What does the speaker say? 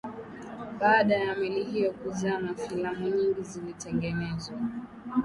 baada ya meli hiyo kuzama filamu nyingi zilitengenezwa